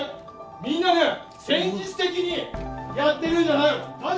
みんなね戦術的にやってるんじゃないよ！